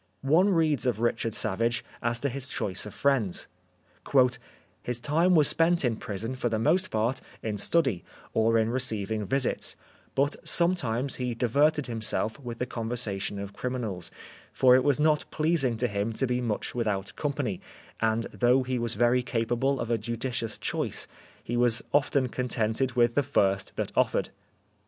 One reads of Richard Savage as to his choice of friends :" His time was spent in prison for the most part in study, or in receiving visits ; but some times he diverted himself with the conversation of criminals ; for it was not pleasing to him to be much without company ; and though he was very capable of a judicious choice, he was often contented with the first that offered."